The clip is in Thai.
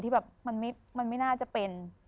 ที่แบบมันไม่น่าจะเป็น